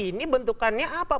ini bentukannya apa